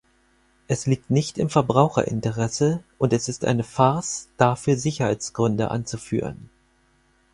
Es liegt nicht im Verbraucherinteresse, und es ist eine Farce, dafür Sicherheitsgründe anzuführen.